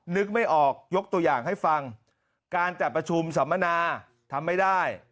นึกไม่ออกยกตัวอย่างให้ฟังการจัดประชุมสัมมนาทำไม่ได้